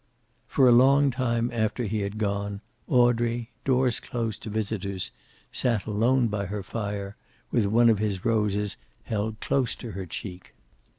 For a long time after he had gone, Audrey, doors closed to visitors, sat alone by her fire, with one of his roses held close to her cheek.